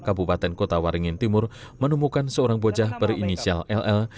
kabupaten kota waringin timur menemukan seorang bocah berinisial ll